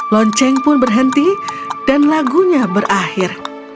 lonceng pun berhenti dan lagunya berakhir